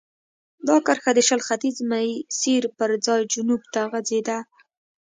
دا کرښه د شل ختیځ مسیر پر ځای جنوب ته غځېده.